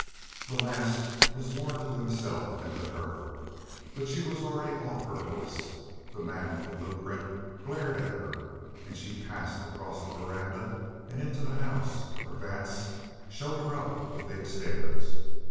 The last was more to himself than to her. But she was already off her horse. The man with the blueprint glared at her, and she passed across the veranda and into the house, where Vance showed her up the big stairs.